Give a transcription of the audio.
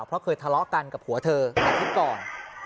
เพราะเคยทะเลาะกันกับผัวเธออาทิตย์ก่อน